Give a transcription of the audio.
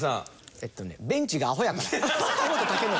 えっとねベンチがアホやから江本孟紀。